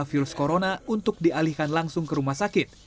virus corona untuk dialihkan langsung ke rumah sakit